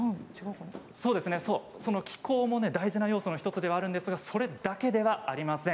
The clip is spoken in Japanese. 気候も大事な要素の１つではあるんですがそれだけではありません。